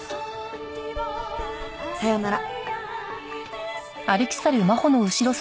さようなら。